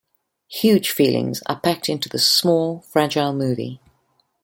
Huge feelings are packed into this small, fragile movie.